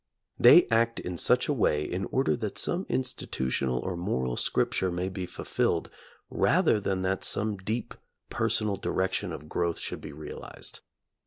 They act in such a way in order that some institutional or moral scripture may be fulfilled, rather than that some deep personal direction of growth should be realized.